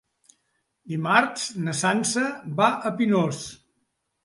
Dimarts na Sança va a Pinós.